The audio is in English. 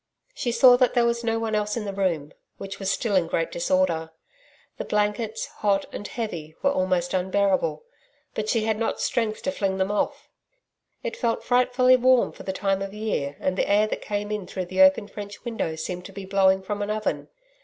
She saw that there was no one else in the room, which was still in great disorder. The blankets, hot and heavy, were almost unbearable, but she had not strength to fling them off. It felt frightfully warm for the time of year and the air that came in through the open French window seemed to be blowing from an oven.